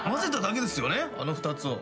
あの２つを。